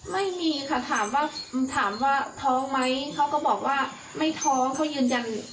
ไม่มีค่ะถามว่าถามว่าท้องไหมเขาก็บอกว่าไม่ท้องเขายืนยัน